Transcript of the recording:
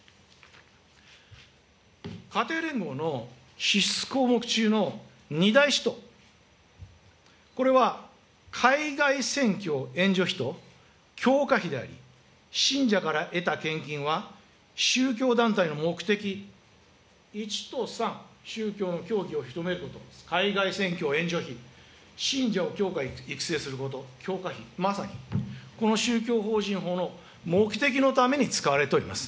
家庭連合の項目中の、これは海外せんきょ援助費と教化費であり、信者から得た献金は宗教団体の目的、１と３、宗教の教義を広めること、海外選挙援助費、信者を教化育成すること、教化費、まさにこの宗教法人法の目的のために使われております。